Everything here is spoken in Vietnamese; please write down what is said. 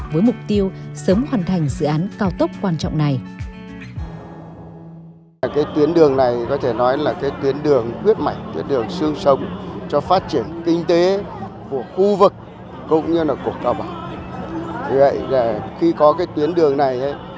với mục tiêu sớm hoàn thành dự án cao tốc quan trọng này